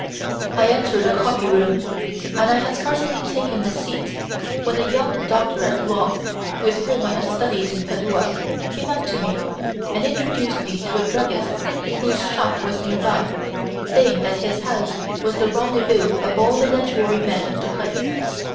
I entered a coffee room, and I had scarcely taken a seat when a young doctor at law, with whom I had studied in Padua, came up to me, and introduced me to a druggist whose shop was near by, saying that his house was the rendezvous of all the literary men of the place.